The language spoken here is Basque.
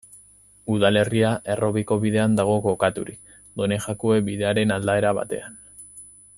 Udalerria Errobiko bidean dago kokaturik, Donejakue Bidearen aldaera batean.